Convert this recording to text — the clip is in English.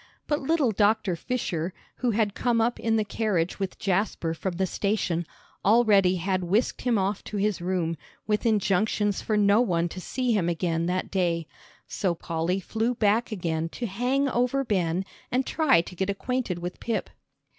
But little Doctor Fisher, who had come up in the carriage with Jasper from the station, already had whisked him off to his room, with injunctions for no one to see him again that day. So Polly flew back again to hang over Ben and try to get acquainted with Pip.